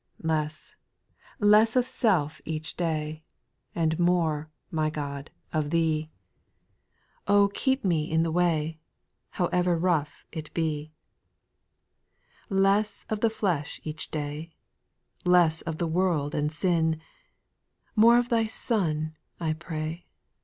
8. Less, less of self each day. And more, ray God of Thee ; 4 288 SPIRITUAL SONGS. keep me in the way, However rough it be. 4. Less of the flesh each day, Less of the world and sin ; More of Thy Son, I pray.